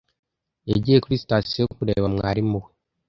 Yagiye kuri sitasiyo kureba mwarimu we?